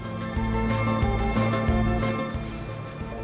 semuanya sudah online